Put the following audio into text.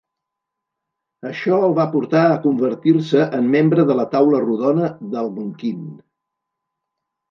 Això el va portar a convertir-se en membre de la Taula Rodona de l'Algonquin.